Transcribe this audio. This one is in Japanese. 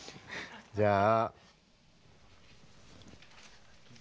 じゃあ。